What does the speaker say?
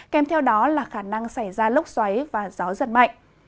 kèm theo đó là khả năng xảy ra lốc xoáy và gió giật mạnh